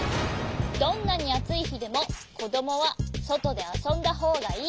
「どんなにあついひでもこどもはそとであそんだほうがいい」。